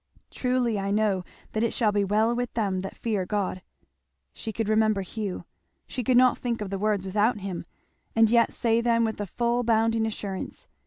"Truly I know that it shall be well with them that fear God!" She could remember Hugh, she could not think of the words without him, and yet say them with the full bounding assurance.